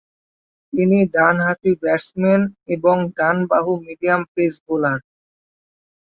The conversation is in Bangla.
তিনি ডানহাতি ব্যাটসম্যান এবং ডান বাহু মিডিয়াম পেস বোলার।